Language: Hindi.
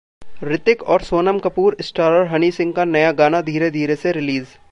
रितिक और सोनम कपूर स्टारर हनी सिंह का नया गाना धीरे धीरे से रिलीज